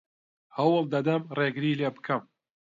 هەوڵ دەدەم ڕێگری لێ بکەم.